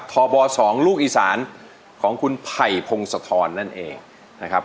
ทบ๒ลูกอีสานของคุณไผ่พงศธรนั่นเองนะครับ